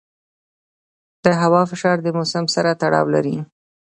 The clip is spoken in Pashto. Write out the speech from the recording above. د هوا فشار د موسم سره تړاو لري.